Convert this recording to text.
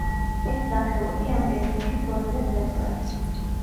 ეს სახელო კი ამ პერიოდში თორელებს ეპყრათ.